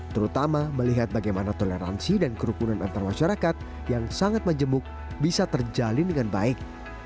terutama melihat bagaimana toleransi dan kerukunan antar masyarakat yang sangat menjemuk bisa terjalin dengan baik